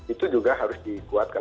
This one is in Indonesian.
itu juga harus dikuatkan